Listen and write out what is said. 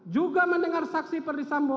juga mendengar saksi perdisambo